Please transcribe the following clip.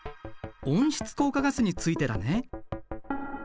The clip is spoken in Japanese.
温室効果ガスについてだね。